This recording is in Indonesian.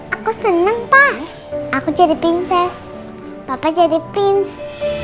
aku senang pak aku jadi prinses papa jadi prince